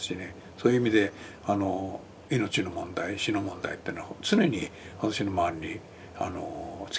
そういう意味で命の問題死の問題ってのは常に私の周りに付きまとっていた感じがあります。